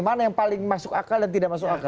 mana yang paling masuk akal dan tidak masuk akal